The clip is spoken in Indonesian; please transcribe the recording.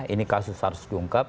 ini kasus harus diungkap